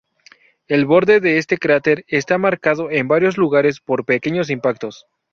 El borde de este cráter está marcado en varios lugares por pequeños impactos.